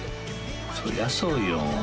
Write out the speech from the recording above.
そりゃそうよ。